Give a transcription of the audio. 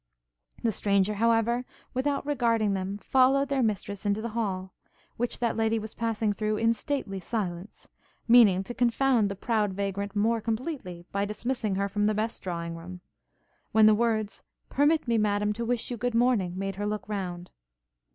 The stranger, however, without regarding them, followed their mistress into the hall, which that lady was passing through in stately silence, meaning to confound the proud vagrant more completely, by dismissing her from the best drawing room; when the words, 'Permit me, Madam, to wish you good morning,' made her look round.